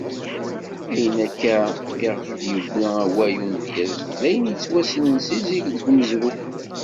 Ayen akka i ɣef d-yewwi awal umedyaz d ayen yettwassnen si zik deg umezruy.